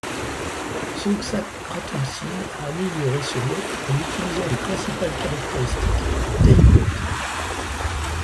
Songsak Pratumsin a amélioré ce wot en utilisant les principales caractéristiques du Tail Wot.